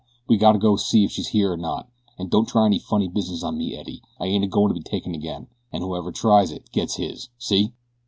We gotta go see if she's here or not, an' don't try any funny business on me, Eddie. I ain't a goin' to be taken again, an' whoever tries it gets his, see?"